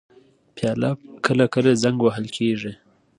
پیاله کله کله زنګ وهل کېږي.